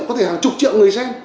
có thể hàng chục triệu người xem